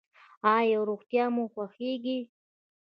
ایا روغتیا مو خوښیږي؟